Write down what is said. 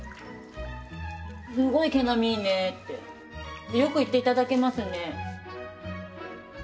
すごい毛並みいいねってよく言っていただけますね。